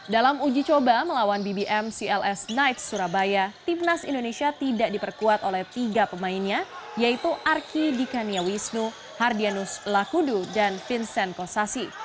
dalam uji coba melawan bbm cls knights surabaya timnas indonesia tidak diperkuat oleh tiga pemainnya yaitu arki dikaniawisnu hardianus lakudu dan vincent kosasi